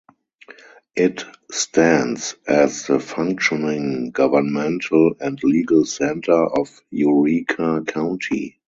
It stands as the functioning governmental and legal center of Eureka County.